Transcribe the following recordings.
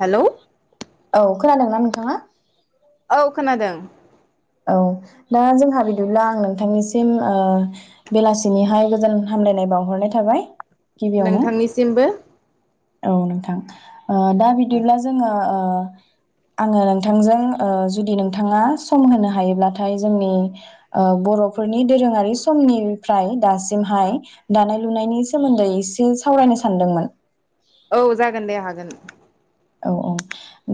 Hello. औ खोनादोंना नोंथाङा? औ खोनादों। औ दा जोंहा बिदिब्ला आं नोंथांनिसिम ओ बेलासिनिहाय गोजोन हामलायनाय बावहरनाय थाबाय। गिबियावनो नोंथांनिसिमबो। औ नोंथां। ओ दा बिदिब्ला जोङो ओ आङो नोंथांजों ओ जुदि नोंथाङा सम होनो हायोब्लाथाय जोंनि ओ बर फोरनि दोरोङारि समनिफ्राय दासिमहाय दानाय लुनायनि सोमोन्दै एसे सावरायनो सानदोंमोन। औ जागोन दे हागोन। औ औ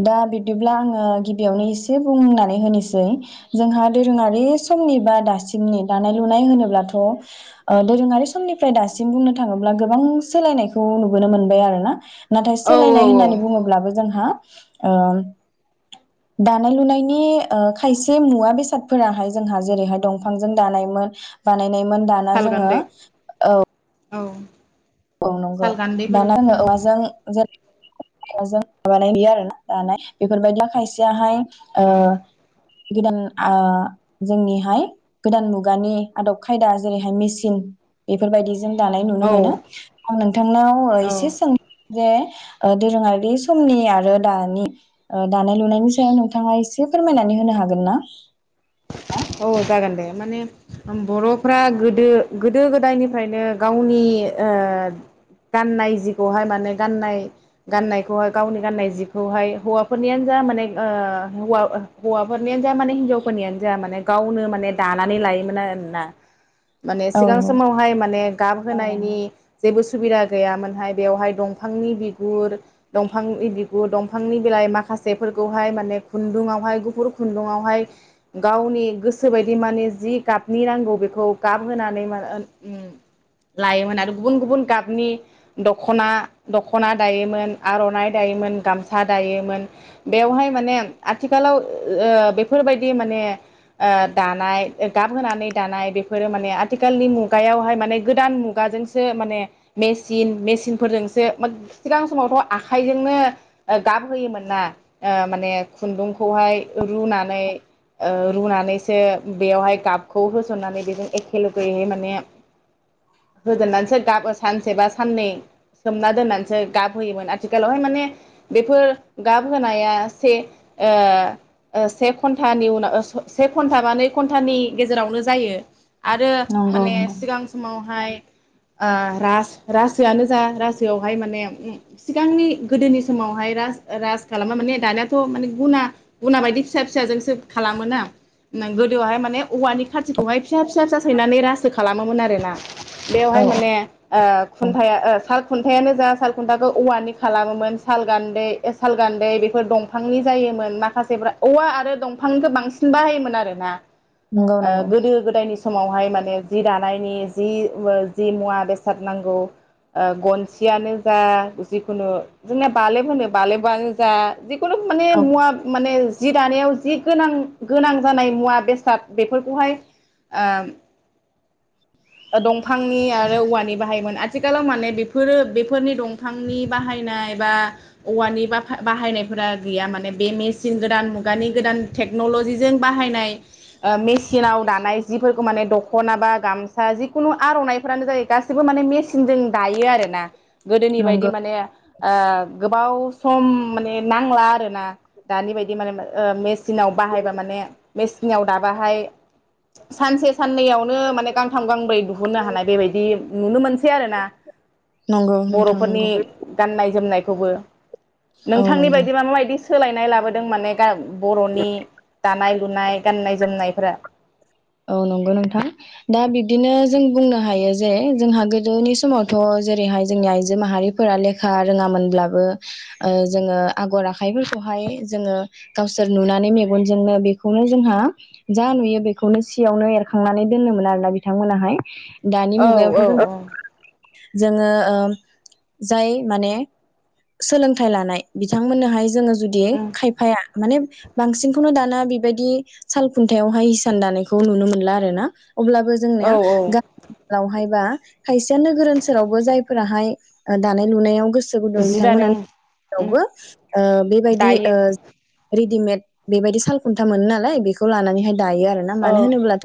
दा बिब्दिब्ला आङो गिबियावनो एसे बुंनानै होनोसै जोंहा दोरोङारि समनि बा दासिमनि दानाय लुनाय होनोब्लाथ' ओ दोरोङारि समनिफ्राय दासिम बुंनो थाङोब्ला गोबां सोलायनायखौ नुबोनो मोनबाय आरोना। नाथाय औ औ सोलायनाय औ होननानै बुङो जोंहा ओ दानाय लुनायनि ओ खायसे मुवा बेसादफोराहाय जोंहा जेरैहाय दंफांजों दानायमोन बानाय नैमोन दाना जोङो सालगान्दै औ औ औ नंगौ सालगान्दैफोर दाना ओं उम औवाजों जेर वाजों माबानाय गैया आरो ना दानाय बेफोरबायदिया खायसेयाहाय ओ औ गोदान आ जोंनिहाय गोदान मुगानि आदब खायदा जेरैहाय मेसिन बेफोरबायदि ज जों दानाय नुनो औ मोनो आं नोंथांनाव औ एसे सोंनि जे ओ दोरोङारि समनि आरो दानि दानाय लुनायनि सायाव नोंथाङा एसे फोरमायनानै होनो हागोन ना औ जागोन दे माने बर'फ्रा गोदो गोदो गोदायनिफ्रायनो गावनि ओ गाननाय जिखौहाय माने गाननाय गाननायखौहाय गावनि गाननाय जिखौहाय हौवाफोरनियानो जा माने ओ हौवा हौवाफोरनियानो जा माने हिनजावफोरनियानो जा माने गावनो माने दानानै लायोमोन आरोना माने औ सिगां समावहाय माने गाबहोनायनि जेबो सुबिदा गैयामोनहाय बेवहाय दंफांनि बिगुर दंफांनि बिगुर दंफांनि बिलाय माखासेफोरखौहाय माने खुन्दुंङावहाय गुफुर खुन्दुङावहाय गावनि गोसो बायदि माने जि गाबनि नांगौ बेखौ गाब होनानै [unintelligible] लायोमोन आरो गुबुन गुबुन गाबनि दख'ना दख'ना दायोमोन आर'नाइ दायोमोन गामसा दायोमोन बेवहाय माने आथिखालाव ओ बेफोरबायदि दि माने आ दानाय गाबहोनै दानाय बेफोरो माने आथिखालनि मुगायावहाय माने गोदान मुगाजोंसो माने मेसिन मेसिनफोरजोंसो सिगां समावथ' आखाइजोंनो आ गाब होयोमोन ना आ माने खुन्दुंखौहाय रुनानै ओ रुनानैसो बेयावहाय गाबखौ होसननानै बेजों एखे लगेहै माने होजेननानैसो गाब सानसे बा साननै सोमना दोननानैसो गाब होयोमोन आथिखालावहाय माने बेफोर गाब होनाया से ओ ओ से घन्ट घन्टानि उनाव से घन्टा बा नै घन्टानि गेजेरावनो जायो। आरो नंगौ माने नंगौ सिगां समावहाय आ रास रासोयानो जा रासोआवहाय माने उम सिगांनि गोदोनि समावहाय राज राजा खालामा माने दानियाथ' माने गुना गुना बायदि फिसा फिसाजोंसो सोब खालामोना गोदोहाय माने औवानि खाथिखौहाय फिसा फिसा फिसा सैनानै रासो खालामोमोन आरो ना बेवहाय माने ओ खुन्थाया ओ साल खुन्थायानो जा साल खुन्थाखौ औवानि खालामोमोन सालगान्दै सालगान्दै बेफोर दंफांनि जायोमोन माखासेफ्रा औवा आरो दं फांनिखौ बांसिन बाहायोमोन आरो ना ओ नंगौ गोदो गोदायनि समावहाय माने जि दानायनि जिव जि मुवा बेसाद नांगौ ओ गनसियानो जा जिखुनु जोंना बालेब होनो बालेबयानो जा जिख खुनु माने औ मुवा माने जि दानायाव जि गोनां गोनां जानाय मुवा बेसाद बेफोरखौहाय आम दंफांनि आरो औवानि बाहायोमोन आथ थिखालाव माने बेफोरो बेफोरनि दंफांनि बाहायनाय बा औवानि बाफा बाहायनायफोरा गैया माने बे मेसिन गोदान मुगानि गोदान टेक्नलजिजों बाहायनाय मेसिनाव दानाय जिफोरखौ माने दखना बा गाम सा जिखुनु आरनाइफोरानो जायो गासैबो माने मेसिनजों दायो आरो ना। गोदोनि बायदि नंगौ नंगौ औ माने आ गोबाव सम माने नांला आरोना दानि बायदि माने माने ओ मेचिनाव बाहायबा माने मेसिनाव दाबाहाय सानसे साननैयावनो माने गांथाम गांब्रै दुहुननो हानाय बेबायदि नुनो मोनसै आरो ना। नंगौ नंगौ नोंथां बर'फोरनि नंगौ गाननाय जोमनायखौबो औ नोंथांनि नंगौ बायदिबा माबायदि सोलायनाय लाबोदों माने गा बर'नि दानाय लुनाय गाननाय जोमनायफोरा औ नंगौ नोंथां दा बिब्दिनो जों बुंनो हायो जे जोंहा गोदोनि समावथ' जेरैहाय जोंनि आइजो माहारिफोरा लेखा रोङामोनब्लाबो ओ जोङो आगर आखाइफोरखौहाय जोङो गावसोर नुनानै मेगनजोंनो बेखौनो जोंहा जा नुयो बे बेखौनो सियावनो एरखांनानै दोनोमोन आरो ना। दानि औ मुगायावथ' औ जों जोङो उम जाय माने सोलोंथाइ लानाय बिथांमोननोहाय जोङो जुदि औ खायफाया माने बांसिनखौनो दाना बेबायदि साल खुन्थायावहाय सान दानायखौ नुनो मोनला आरो ना? अब्लाबो औ जोंनिया औ गा-वहाय बा खाय गोसो गुदुं जि बिथांमोना दानो यावबो ओ बेबायदि ओ दायो रि दिमेद बेबायदि साल खुन्था मोनो नालाय बेखौ लानानैहाय दायो आ ना औ मानो होनोब्लाथ'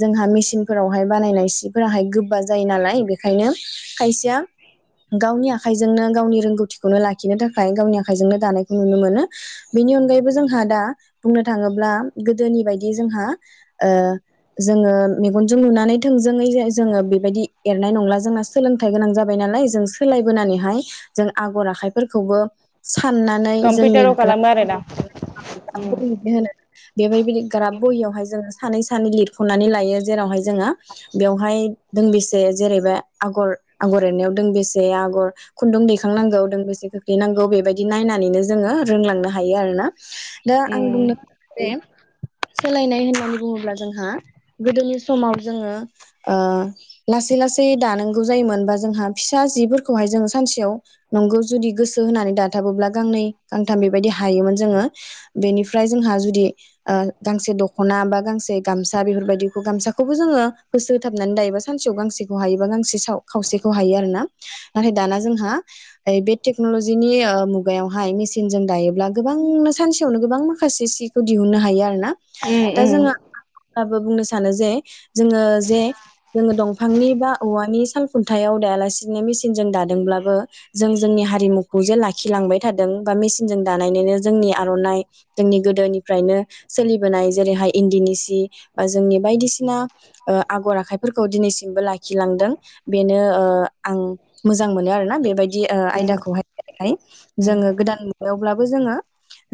जोंहा मेसिनफोरावहाय बानायनाय सिफोराहाय गोब्बा जायो नालाय बेखायनो खायसेया गावनि आखाइजोंनो गावनि रोंगौथिखौनो लाखिनो थाखाय गावनि आखाइजोंनो दानायखौ नुनो मोनो बेनि अनगायैबो जोंहा दा बुंनो थाङोब्ला गोदोनि बायदि जोंहा ओ जोङो मेगनजों नुनानै थोंजोङै जोङो बेबायदि एरनाय नंला जोंना सोलोंथाइ गोनां जाबाय नालाय जों सोलायबोनानैहाय जों आगर आखाइफोरखौबो साननानै जोंनि कम्पिउटाराव खालामो ग्राब आरोना उम होनो बेबायदि दि ग्राब बहियावहाय उम सानै सानै लिरख'नानै लायो जेरावहाय जोङो बेवहाय दोंबेसे जेरैबा आगर आगर एरनायाव दोंबेसे आगर खुन्दुं दैखांनांगौ दोंबेसे खोख्लैनांगौ बेबायदि नायनानैनो जोङो रोंलांनो हा दा आं बुंनोे उम [inaudible] दे सोलायनाय होनो बुङोब्ला जोंहा गोदोनि समाव जोङो ओ लासै लासै दानांगौ जायोमोन बा जोंहा फिसा जिफोरखौहाय जोंङो सानसेआव नंगौ जुदि गोसो होननानै दाथाबोब्ला गांनै गांथाम बेबायदि हायोमोन जोङो बेनिफ्राय जोंहा जुदि ओ गांसे दख' ना बा गांसे गामसा बेफोरबायदिखौ गामसाखौबो जोङो होसो होथाबनानै दायोबा सानसेयाव गांसेखौ हायोबा गांसे साव खावसेखौ हायो। नाथाय दाना जोंहा ओय बे टेक्न'लजिनि उम दा जोङो बाबो बुंनो सानो जे जोङो जे साल खुन्थायाव दायालासिनो मेसिनजों दादोंब्लाबो खौ जे लाखि लांबाय थादों बा मेसिनजों दानायनैनो जोंनि आर'नाइ जोंनि जेरैहाय इन्दिनि सि बा जोंनि बायदिसिना ओ आगर आखाइफोरखौ दिनैसिमबो लाखिलांदों बेनो ओ आं मोजां मोनो आरोना बेबाय दि उम आयदाखौहाय हाय उम जोङो गोदान थेवब्लाबो जोङो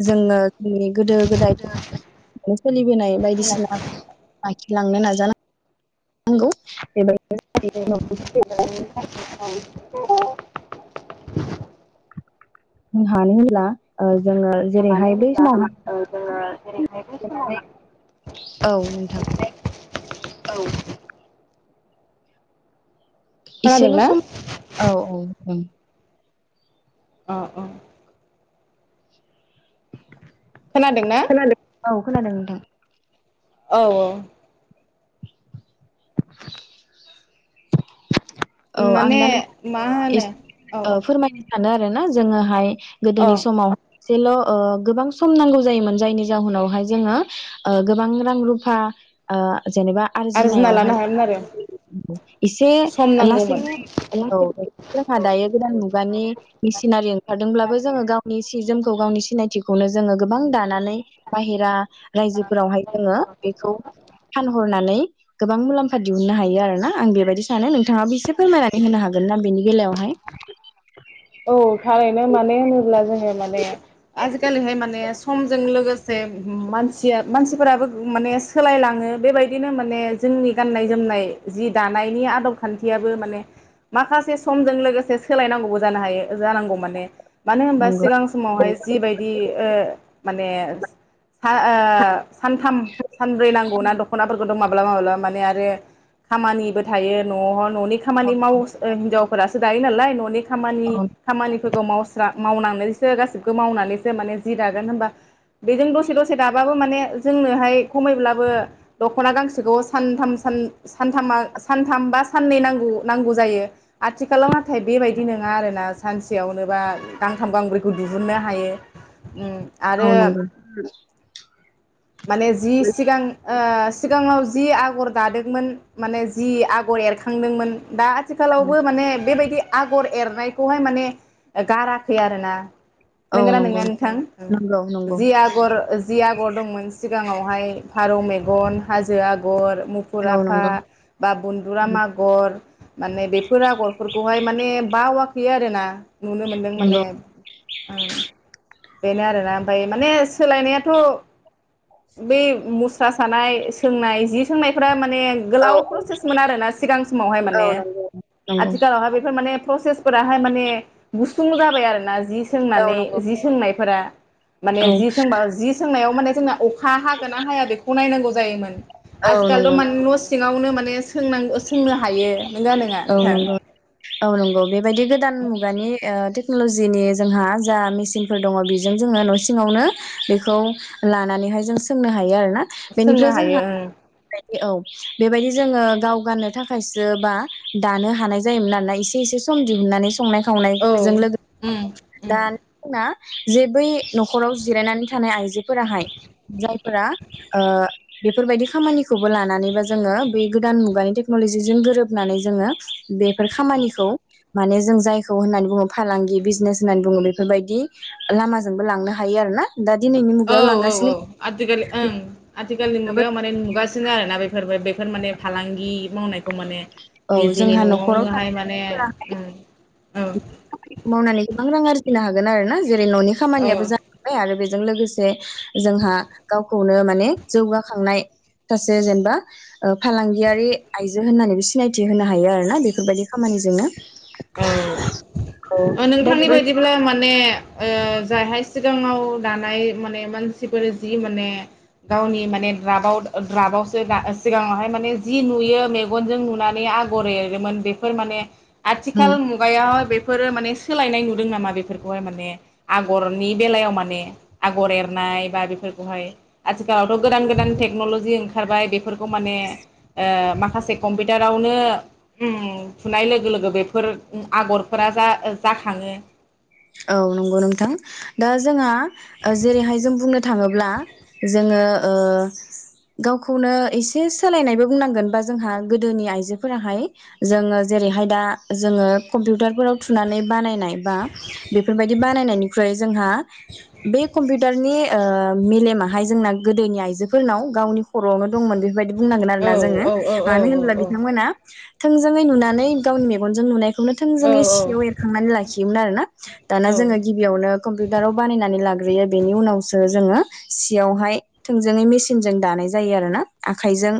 जोङो जोंनि गोदो गोदाय। सोलिबोनाय बायदिसिना आखिलांनो नाजानां गौ बेबाय [unintelligible] [inaudible] जोंहानिला ओं मानो होनोब्ला ओ जोङो जेरैहाय बेै समाव हाबसोनानै [unintelligible] औ नोंथां औ इसेल' खोनादोंना सम औ औ औ। अ औ खोनादोंना खोनादों औ खोनादों नोंथां। औ औ [inaudible] औ आं माने दा मा [unintelligible] होनो एसे औ फोरमायनो [unintelligible] सानो आरोना जोङोहाय गोदोनि औ समाव सेल' ओ गोबां सम नांगौ जायोमोन जायनि जाहोनावहाय जोङो ओ गोबां रां रुफा ओ जेनेबा आरजिना आरजिनायावहाय लानो हायामोन आरो [unintelligible] एसे सम ला नांगौमोन औ जोंहा दायो गोदान मुगानि मिसिनारि ओंखारदोंब्लाबो जोङो गावनि जोंखौ गावनि सिनायथिखौनो जोंङो गोबां दानानै बाहेरा रायजोफोरावहाय जोंङो बेखौ फानहरनानै गोबां मुलाम्फा दिहुननो हायो आरो ना आं बेबायदि सानो नोंथाङाबो इसेब फोरमायनानै होनो हागोन ना बेनि बेलायावहाय? औ थारैनो माने होनोब्ला जों ओ माने आजिकालि हाय माने समजों लोगोसे मानसिया मानसिफोराबो माने सोलायलाङो बेबायदिनो माने जोंनि गाननाय जोमनाय जि दानायनि आदब खान्थियाबो माने माखासे समजों लोगोसे सोलायनांगौबो जानो हायो जानांगौ माने। मानो होनबा नंगौ सिगां समावहाय जिबायदि ओ माने सा ओ सानथाम सानब्रै नांगौ ना दख'नाफोरखौथ' माब माब्लाबा माब्लाबा माने आरो खामानिबो थायो न'आव न'नि खामानि मावस ओ हिनजाव फोरासो दायो नालाय न'नि खामानि औ खामानिफोरखौ मावस्रा मावनानैसो गासैखौबो मावनानैसो माने जि दागोन होनबा बिजों दसे दसे दासाबो माने जोंनोहाय खमैब्लाबो दख'ना गांसेखौ सान थाम सान सानथामा सानथाम बा सान नै नांगौ नांगौ जायो आथिखालाव नाथाइ बे बाइदि इदि नोङा आरोना सानसेयावनोबा गांथाम गांब्रैखौ दिहुननो हायो उम औ आरो नंगो माने जि सिगां ओ सिगाङाव जि आगर दादोंमोन माने जि आगर एरखांदोंमोन दा आथिखालावबो माने बेबायदि आगर एरनायखौहाय माने गाराखै आरो ना। औ नोंगोना नंगौ नोना नोंथां नंगौ नंगौ जि आगर जि गर दंमोन सिगाङावहाय फारौ मेगन हाजो आगर मुखुर औ आफा नंगौ बा बन्दुराम आगर माने बेफोर आगरफोरखौहाय माने बावाखै आरो ना नुनो मोनदों माने नंगौ उम बेनो आरोना ओमफ्राय माने सोलायनायाथ बे मुस्रा सानाय सोंनाय जि सोंनायफोरा मा माने औ गोलाव प्रसेसमोन आरोना सिगां समावहाय माने औ नंगौ नंगौ आथिखालाव हा प्रसेस फोराहाय माने गुसुं जाबाय आरो ना जि औ सोंनानै नंगौ जि सोंनाय फोरा माने औ जि सोंबा जि सोंनायाव माने जोंनाअ हा हागोन ना हाया बेखौ नायनांगौ जायोमोन। औ आजिखालथ नंगौ माने न सिङावनो मान बे सोंनांगो सोंनो हायो नंगोना नोङा औ नोंथां। नंगौ औ नंगौ बेबायदि गोदान मुगानि ओ टेक्नलजिनि जोंहा जा मेसिनफोर दङ बेजों जोङो न सिङावनो बेखौ लानानैहाय जों सोंनो हायो आरो सोंनो बेनिफ्राय हायो जोंहा ओं गायो औ बेबायदि जोङो गाव गाननो थाखाय खायसोबा दानो हानाय जायोमोन नालाय एसे एसे सम दिहुननानै संनाय औ संनायजों लोगो उम उम [unintelligible] जे बै नखराव जिरायनानै थानाय आइजो फोराहाय जाय फोरा ओ बेफोरबायदि खामानिखौबो लानानैबा जोङो बै गोदान मुगानि टेक्नलजिजों गोरोबनानै जोङो बेफोर खामानिखौ माने जों जायखौ होननानै बुङो फालांगि बिजनेस होननानै बुङो बेफोरबायदि लामाजोंबो लांनो हायो आरोना। औ औ औ आजिखालि ओं आथिखालनि मुगायाव माने नुगासिनो आरोना बेफोरबो बे फोर माने फालांगि मावनायखौ माने औ निजेनि जोंहा नआवनोहाय माने उम मावनानानै नों रां आरजिनो हागोन आरो ना जेरै न'नि औ खामानियाबो जाबाय आरो बे जों लोगोसे जोंहा गावखौनो माने जौगाखांनाय सासे जेनेबा फालांगियारि आइजो होननानैबो सिनायथि होनो हायो आरोना बेफोरबायदि खामानिजोंनो औ दा नोंथांनि बिदि बायदिब्ला माने ओ जायहाय सिगाङाव दानाय माने मानसिफोर जि माने गावनि माने द्राबाव द्राबावसो दा सिगाङावहाय माने जि नुयो मेगनजों नुनानै आगर एरोमोन बेफोर माने उम आथिखाल मुगायावाय बेफोरो माने सोलायनाय नुदों नामा बेफोरखौहाय माने आगरनि बेलायाव माने आगर एरनाय बा बेफोरखौहाय आथिखालावथ गोदान गोदान टेक्नलजि ओंखारबाय बेफोरखौ माने माखासे ओ कम्पिउटारावनो थुनाय लोगो लोगो बेफोर आगरफोरा जा जाखाङो औ नंगौ नोंथां दा जोंहा ओ जेरैहाय जों बुंनो थाङोब्ला जोङो ओ गावखौनो एसे सोलायनायबो बुंनांगोन बा जोंहा गोदोनि आइजोफोराहाय जोङो जेरैहाय दा जोङो कम्पिउटारफोराव थुनानै बानायनाय बा बेफोरबायदि बानायनायनिख्रुइ जोंहा बे कम्पिउटारनि ओ मेलेमाहाय जोंना गोदोनि आइजोफोरनाव गावनि खरआवनो दंमोन बेफोरबायदि बुंनांगोन आरोना औ जोङो औ औ औ मानो होनब्ला बिथांमोना थोंजोङै नुनानै गावनि मेगनजों नुनायखौनो औ थोंजोङै सियाव एरखांनानै लाखियोमोन आरोना। दाना औ जोङो औ गिबियावनो कम्पिउटाराव बानायनानै लाग्रोयो बेनि उनावसो जोङो सियावहाय थोंजोङै मेसिनजों दानाय जायो आरोना आखायजों